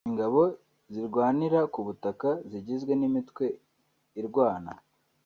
Ingabo zirwanira ku butaka zigizwe n’imitwe irwana